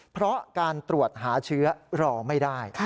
เพราะการตรวจหาเชื้อรอไม่ได้